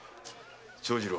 長次郎